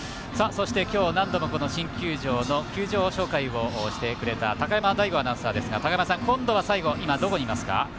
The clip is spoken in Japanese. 今日、何度も新球場の球場紹介をしてくれた高山大吾アナウンサーですが今度は最後、今、どこにいますか。